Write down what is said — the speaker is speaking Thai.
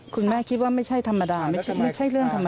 คุณแม่คิดว่าไม่ใช่เรื่องธรรมดา